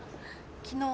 昨日？